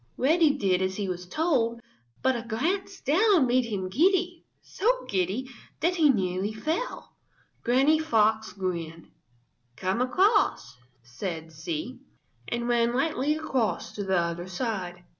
Reddy did as he was told, but a glance down made him giddy, so giddy that he nearly fell. Granny Fox grinned. "Come across," said she, and ran lightly across to the other side.